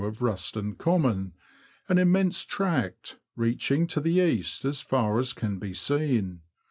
179 of Ruston Common, an immense tract, reaching to the east as far as can be seen.